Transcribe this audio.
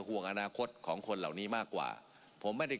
ผมห่วงความความละคระคนเหล่านี้มากกว่าผมไม่ถึง